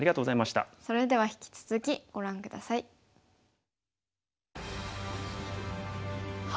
それでは引き続きご覧下さい。